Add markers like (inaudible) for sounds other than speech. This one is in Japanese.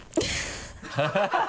ハハハ (laughs)